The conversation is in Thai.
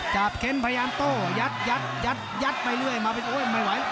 จับเข้นพยานโต้ยัดยัดยัดยัดไปเรื่อยโอ้ยไม่ไหว